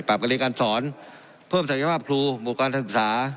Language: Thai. ปรากฎิการสอนเพิ่มศักยภาพครูบวกการศึกษา